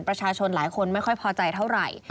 ประชาชนหลายคนไม่ค่อยพอใจเท่าไหร่